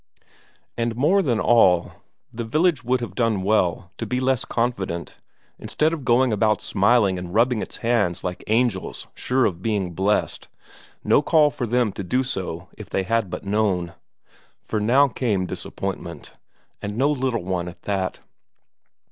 And more than all, the village would have done well to be less confident, instead of going about smiling and rubbing its hands like angels sure of being blessed no call for them to do so if they had but known. For now came disappointment, and no little one at that.